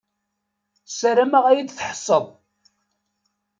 Sarameɣ ad yi-d-tḥesseḍ.